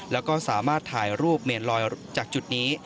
แล้วก็สามารถถ่ายรูปเมนลอยจากจุดนี้